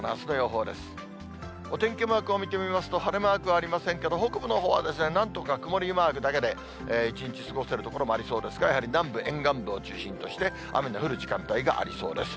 お天気マークを見てみますと、晴れマークはありませんけど、北部のほうはなんとか曇りマークだけで、１日過ごせる所もありそうですが、やはり南部、沿岸部を中心として雨の降る時間帯がありそうです。